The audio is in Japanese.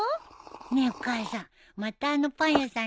ねえお母さんまたあのパン屋さんに行こうよ。